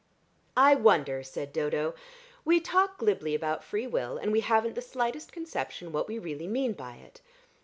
"I wonder," said Dodo. "We talk glibly about free will and we haven't the slightest conception what we really mean by it.